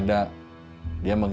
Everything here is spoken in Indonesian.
tidak ada apa apa